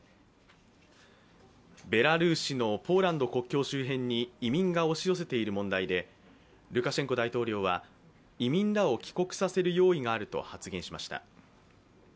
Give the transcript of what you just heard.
ベラルーシのポーランド国境周辺に、押し寄せている問題でルカシェンコ大統領は移民らを帰国させる用意があると発言しました。